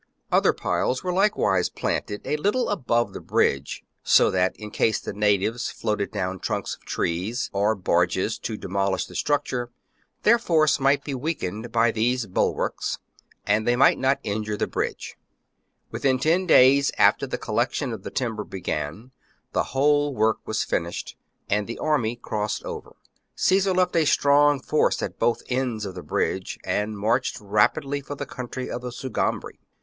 Other piles were likewise planted a little above the bridge, so that in case the natives floated down .trunks of trees or barges to demolish the structure, their force might be weakened by these bulwarks, and they might not injure the bridge.^ CTossesthe i g. Within ten days after the collection of the timber began, the whole work was finished, and the army crossed over. Caesar left a strong force at both ends of the bridge, and marched rapidly for the country of the Sugambri.